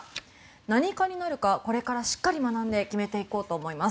何科になるかこれからしっかり学んで決めていこうと思います。